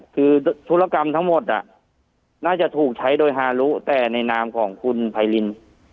คือธุรกรรมทั้งหมดน่าจะถูกใช้โดยฮารุแต่ในนามของคุณไพริน